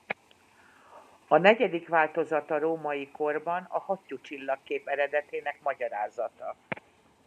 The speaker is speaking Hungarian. A negyedik változat a római korban a Hattyú csillagkép eredetének magyarázata.